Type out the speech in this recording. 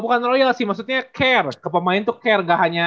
bukan royal sih maksudnya care ke pemain tuh care gak hanya